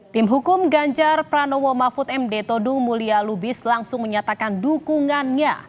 tim hukum ganjar pranowo mahfud md todung mulia lubis langsung menyatakan dukungannya